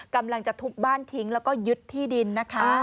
กำลังจะทุบบ้านทิ้งแล้วก็ยึดที่ดินนะคะ